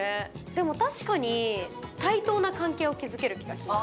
でも、確かに対等な関係を築ける気がします。